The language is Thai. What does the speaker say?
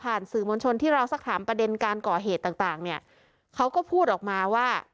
สื่อมวลชนที่เราสักถามประเด็นการก่อเหตุต่างต่างเนี่ยเขาก็พูดออกมาว่า